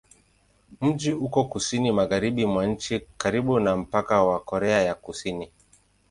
Mji uko kusini-magharibi mwa nchi, karibu na mpaka na Korea ya Kusini.